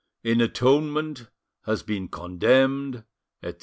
"In atonement has been condemned, etc.